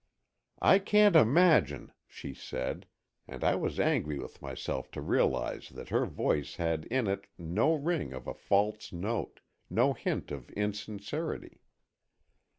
"I can't imagine," she said, and I was angry with myself to realize that her voice had in it no ring of a false note, no hint of insincerity.